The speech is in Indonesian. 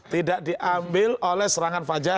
tidak diambil oleh serangan fajar